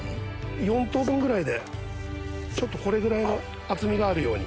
４等分ぐらいでちょっとこれぐらいの厚みがあるように。